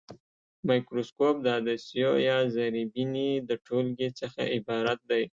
مایکروسکوپ د عدسیو یا زرې بیني د ټولګې څخه عبارت دی.